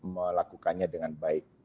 melakukannya dengan baik